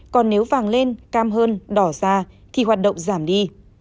còn nếu vàng lên cam hơn đỏ ra thì hoạt động giảm đi